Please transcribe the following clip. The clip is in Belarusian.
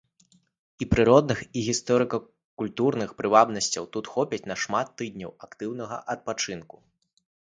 І прыродных і гісторыка-культурных прывабнасцяў тут хопіць на шмат тыдняў актыўнага адпачынку.